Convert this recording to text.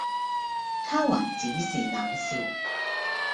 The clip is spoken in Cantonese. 他還只是冷笑，